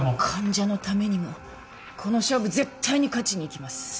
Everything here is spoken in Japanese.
患者のためにもこの勝負絶対に勝ちにいきます。